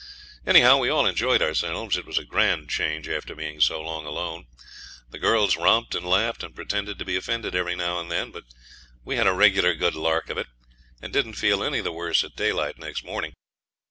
Anyhow, we all enjoyed ourselves. It was a grand change after being so long alone. The girls romped and laughed and pretended to be offended every now and then, but we had a regular good lark of it, and didn't feel any the worse at daylight next morning.